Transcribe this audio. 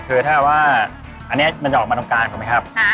คือถ้าว่าอันนี้มันจะออกมาตรงกลางถูกไหมครับ